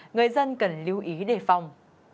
người dân cần lưu ý đề phòng